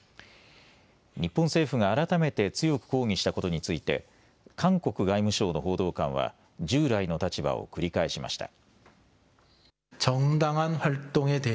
日本政府が改めて強く抗議したことについて韓国外務省の報道官は従来の立場を繰り返しました。